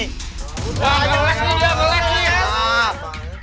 udah belas nih dia belas nih